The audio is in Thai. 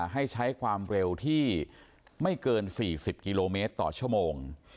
ให้ใช้ความเร็วที่ไม่เกิน๔๐กิโลเมตรต่อชั่วโมง